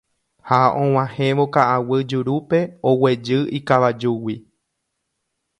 Ha og̃uahẽvo ka'aguy jurúpe oguejy ikavajúgui.